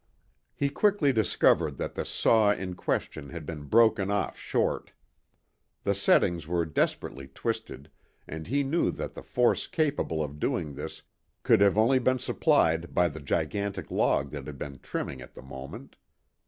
He quickly discovered that the saw in question had been broken off short. The settings were desperately twisted, and he knew that the force capable of doing this could have only been supplied by the gigantic log that had been trimming at the moment.